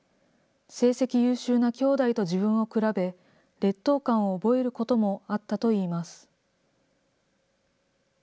成績優秀なきょうだいと自分を比べ、劣等感を覚えることもあったといいます。